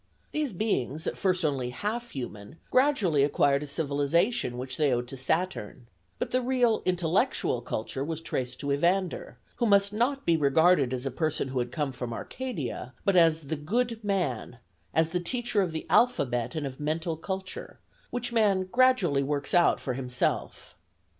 These beings, at first only half human, gradually acquired a civilization which they owed to Saturn; but the real intellectual culture was traced to Evander, who must not be regarded as a person who had come from Arcadia, but as the good man, as the teacher of the alphabet and of mental culture, which man gradually works out for himself.